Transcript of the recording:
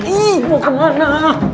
ih mau kemana